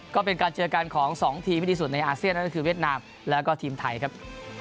ก็เป็นการเจอกันของ๒ทีมที่ดีสุดในอาเซียนนั่นก็คือเวียดนามแล้วก็ทีมไทยครับ